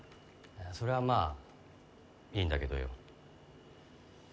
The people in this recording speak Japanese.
それはまあいいんだけどよ。